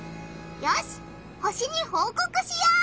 よし星にほうこくしよう！